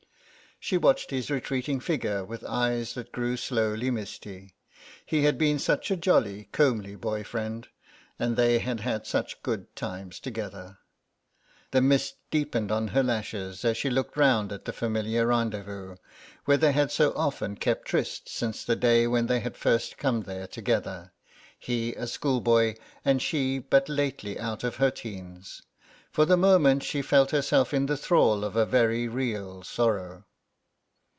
She watched his retreating figure with eyes that grew slowly misty; he had been such a jolly comely boy friend, and they had had such good times together. The mist deepened on her lashes as she looked round at the familiar rendezvous where they had so often kept tryst since the day when they had first come there together, he a schoolboy and she but lately out of her teens. For the moment she felt herself in the thrall of a very real sorrow.